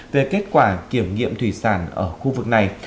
về kết quả kiểm nghiệm thủy sản ở khu vực này